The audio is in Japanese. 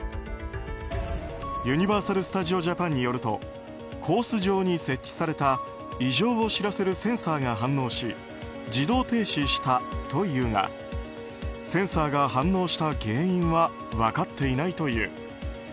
ユニバーサル・スタジオ・ジャパンによるとコース上に設置された異常を知らせるセンサーが反応し自動停止したというがセンサーが反応した原因は分かっていないという。